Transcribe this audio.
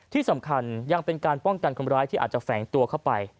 ที่สำคัญยังเป็นการป้องกันคนร้ายที่อาจจะแฝงตัวเข้าไป